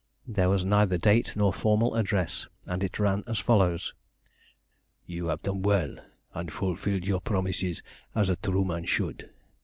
There was neither date nor formal address, and it ran as follows: You have done well, and fulfilled your promises as a true man should.